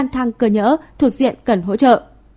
tăng cơ nhỡ thuộc diện cần hỗ trợ